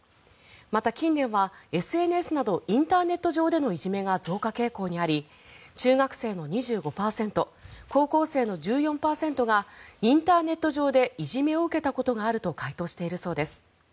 また、近年はＳＮＳなどインターネット上でのいじめが増加傾向にあり、中学生の２５％高校生の１４％がインターネット上でいじめを受けたことがあると回答しているそうです。